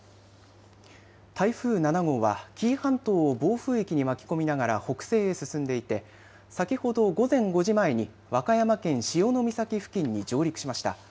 台風７号は紀伊半島を暴風域に巻き込みながら北西へ進んでいて先ほど午前５時前に和歌山県潮岬付近に上陸しました。